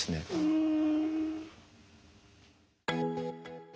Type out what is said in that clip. うん。